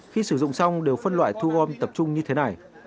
khi sử dụng xong đều phân loại thu gom tập trung như thế này